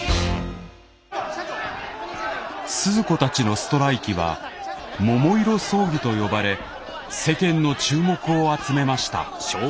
スズ子たちのストライキは桃色争議と呼ばれ世間の注目を集めました。